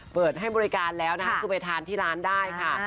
เปิดให้บริการแล้วนะคะคือไปทานที่ร้านได้ค่ะ